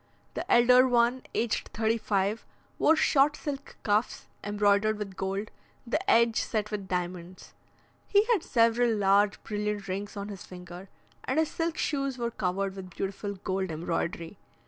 The elder one, aged thirty five, wore short silk cuffs, embroidered with gold, the edge set with diamonds; he had several large brilliant rings on his finger, and his silk shoes were covered with beautiful gold embroidery.